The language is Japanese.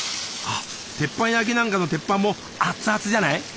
あっ鉄板焼きなんかの鉄板もアッツアツじゃない？